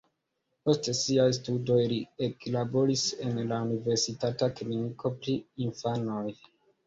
Post siaj studoj li eklaboris en la universitata kliniko pri infanoj.